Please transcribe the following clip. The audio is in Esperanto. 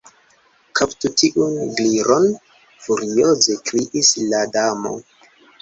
"Kaptu tiun Gliron," furioze kriis la Damo.